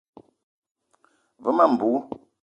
Ve ma mbou.